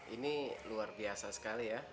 ini luar biasa sekali ya